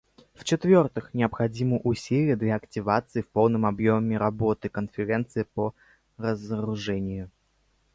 В-четвертых, необходимы усилия для активизации в полном объеме работы Конференции по разоружению.